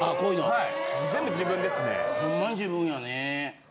はい。